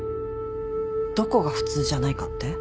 どこが普通じゃないかって？